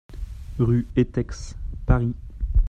RUE ETEX, Paris